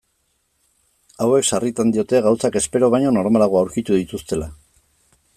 Hauek sarritan diote gauzak espero baino normalago aurkitu dituztela.